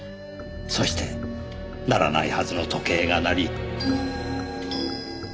そして鳴らないはずの時計が鳴り。